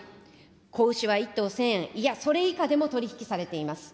子牛は１頭１０００円、いや、それ以下でも取り引きされています。